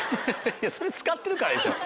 それ使ってるからでしょ。